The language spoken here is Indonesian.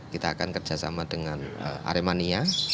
kita akan kerjasama dengan aremania